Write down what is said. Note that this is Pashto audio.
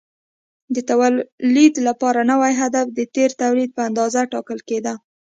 د تولید لپاره نوی هدف د تېر تولید په اندازه ټاکل کېده.